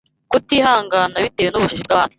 kutihangana bitewe n’ubujiji bw’abandi